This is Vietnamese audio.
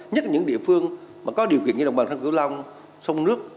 nhất là những địa phương mà có điều kiện như đồng bằng sông cửu long sông nước